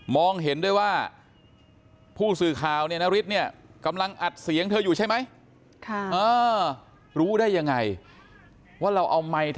เห็นด้วยว่าผู้สื่อข่าวเนี่ยนฤทธิ์เนี่ยกำลังอัดเสียงเธออยู่ใช่ไหม